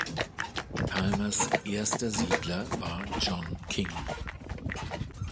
Palmers erster Siedler war John King.